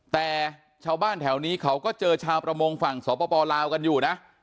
แต่ชาวบ้านแถวนี้เขาก็เจอชาวประมงฝั่งสปลาวกันอยู่นะ